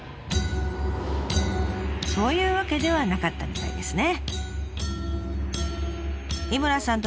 そういうわけではなかったみたいですね。